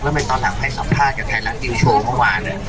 แล้วมันตอนหลังไปสอบพลาดกับไทยรัฐดิวโชว์เมื่อวาน